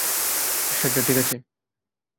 সাজ্জাদ ঠিক আছে।